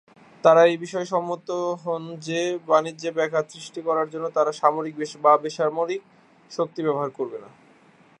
তারা এই বিষয়ে সম্মত হন যে বাণিজ্যে ব্যাঘাত সৃষ্টি করার জন্য তারা সামরিক বা বেসামরিক শক্তি ব্যবহার করবে না।